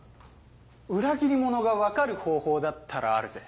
裏切り者が分かる方法だったらあるぜ。